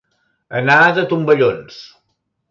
Anar de tomballons.